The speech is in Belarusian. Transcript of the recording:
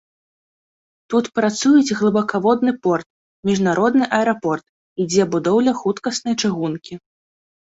Тут працуюць глыбакаводны порт, міжнародны аэрапорт, ідзе будоўля хуткаснай чыгункі.